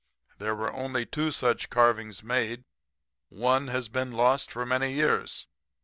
There were only two of such carvings made. One has been lost for many years.